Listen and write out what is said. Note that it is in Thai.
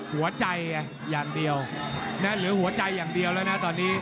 หัวใจอย่างเดียวนะเหลือหัวใจอย่างเดียวแล้วนะตอนนี้